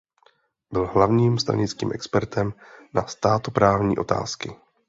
Byl hlavním stranickým expertem na státoprávní otázky.